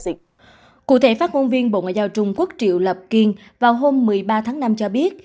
cụ thể phát ngôn viên bộ ngoại giao trung quốc triệu lập kiên vào hôm một mươi ba tháng năm cho biết